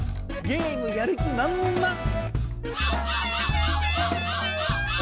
ゲームやる気まんまん。